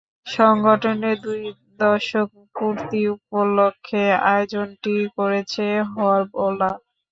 সংগঠনের দুই দশক পূর্তি উপলক্ষে আয়োজনটি করেছে হরবোলা।